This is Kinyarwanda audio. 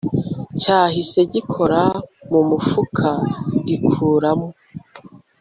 cyahise gikora mumufuka gikuramo